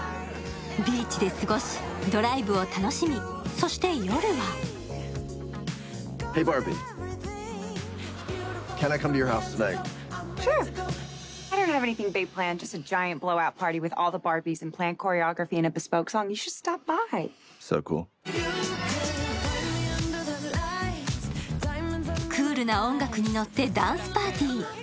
ビーチで過ごし、ドライブを楽しみ、そして夜はクールな音楽にのってダンスパーティー。